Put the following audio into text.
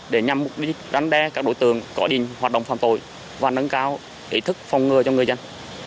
để nhằm rắn đe các đối tượng có đi hoạt động phạm tội và nâng cao ý thức phong ngừa cho người dân